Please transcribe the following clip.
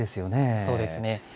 そうですね。